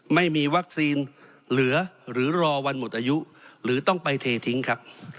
ไม่มีวัคซีนเหลือหรือรอวันหมดอายุหรือต้องไปเททิ้งครับ